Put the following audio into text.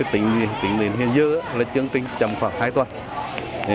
tính đến hiện giờ là chương trình chậm khoảng hai tuần